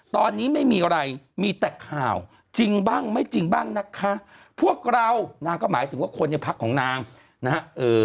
ตอนนี้ไม่มีอะไรมีแต่ข่าวจริงบ้างไม่จริงบ้างนะคะพวกเรานางก็หมายถึงว่าคนในพักของนางนะฮะเอ่อ